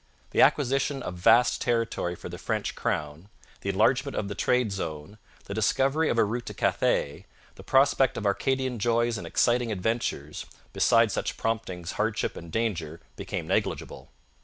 The acquisition of vast territory for the French crown, the enlargement of the trade zone, the discovery of a route to Cathay, the prospect of Arcadian joys and exciting adventures beside such promptings hardship and danger became negligible.